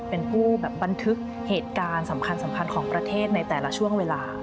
เป็นผู้แบบบันทึกเหตุการณ์สำคัญของประเทศในแต่ละช่วงเวลา